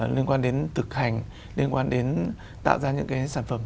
liên quan đến thực hành liên quan đến tạo ra những cái sản phẩm